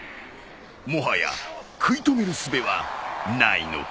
もはや食い止めるすべはないのか！？